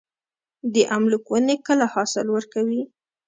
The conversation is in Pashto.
د املوک ونې کله حاصل ورکوي؟